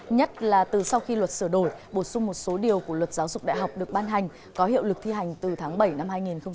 nhất là từ sau khi luật sửa đổi bổ sung một số điều của luật giáo dục đại học được ban hành có hiệu lực thi hành từ tháng bảy năm hai nghìn một mươi chín